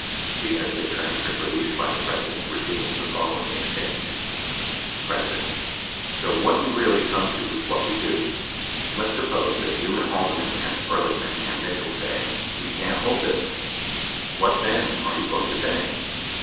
63 The edited transcript released by the President reveals the following exchange : P. So what you really come to is what we do. Let's suppose that you and Haldeman and Ehrlichman and Mitchell say we can't hold this ? What then are you going to say